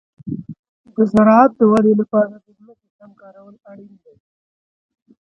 د زراعت د ودې لپاره د ځمکې سم کارول اړین دي.